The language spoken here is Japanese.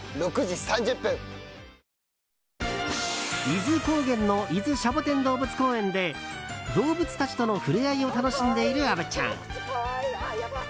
伊豆高原の伊豆シャボテン動物公園で動物たちとの触れ合いを楽しんでいる虻ちゃん。